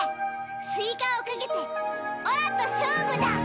スイカを賭けてオラと勝負だ！